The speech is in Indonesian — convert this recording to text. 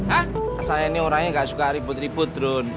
asalnya ini orangnya gak suka ribut ribut ron